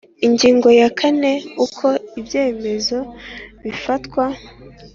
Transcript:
Ingingo ya kane Uko ibyemezo bifatwa